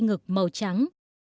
ngực màu trắng